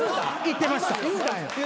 言ってました。